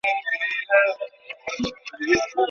তিনি শিক্ষাদানকে বিরক্তিকর বলে মনে করলেও এতে আনন্দ খুঁজে পান।